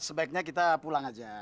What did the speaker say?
sebaiknya kita pulang aja